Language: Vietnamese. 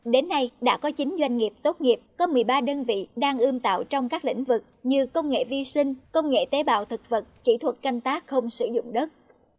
đến nay đã có chín doanh nghiệp tốt nghiệp có một mươi ba đơn vị đang ươm tạo trong các lĩnh vực như công nghệ vi sinh công nghệ tế bào thực vật kỹ thuật canh tác không sử dụng đất